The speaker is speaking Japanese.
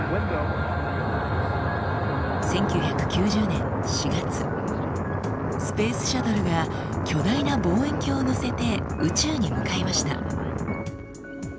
１９９０年４月スペースシャトルが巨大な望遠鏡を載せて宇宙に向かいました。